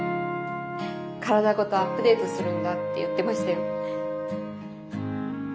体ごとアップデートするんだって言ってましたよ。